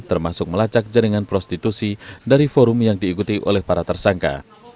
termasuk melacak jaringan prostitusi dari forum yang diikuti oleh para tersangka